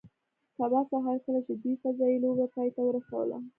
سبا سهار کله چې دوی فضايي لوبه پای ته ورسوله